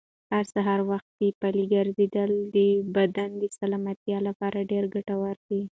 هر سهار وختي پلي ګرځېدل د بدن د سلامتیا لپاره ډېر ګټور دي.